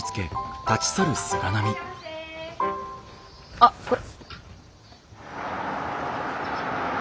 あっこれ。